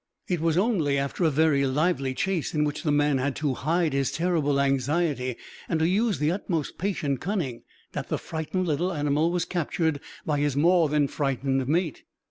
It was only after a very lively chase, in which the man had to hide his terrible anxiety and to use the utmost patient cunning, that the frightened little animal was captured by his more than frightened mate.